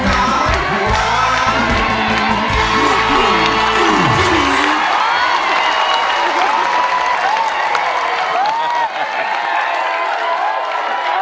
ได้ครับ